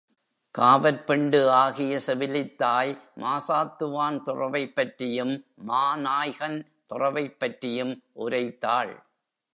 காவற் பெண்டு ஆகிய செவிலித்தாய் மாசாத்துவான் துறவைப் பற்றியும், மாநாய்கன் துறவைப்பற்றியும் உரைத் தாள்.